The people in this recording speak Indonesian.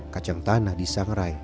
kacang tanah disangrai